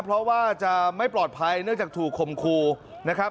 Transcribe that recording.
เพราะว่าจะไม่ปลอดภัยเนื่องจากถูกคมครูนะครับ